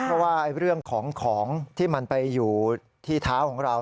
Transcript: เพราะว่าเรื่องของของที่มันไปอยู่ที่เท้าของเรา